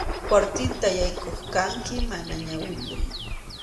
Kwartilta yaykuq kanki mana ñawiyuq.